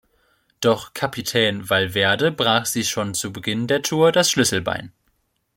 Doch Kapitän Valverde brach sich schon zu Beginn der Tour das Schlüsselbein.